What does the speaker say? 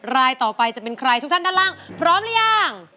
รายต่อไปจะเป็นใครทุกท่านด้านล่างพร้อมหรือยัง